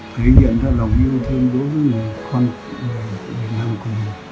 thể hiện ra lòng yêu thương đối với con người việt nam của mình